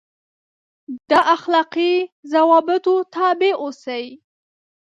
دا اخلاقي ضوابطو تابع اوسي.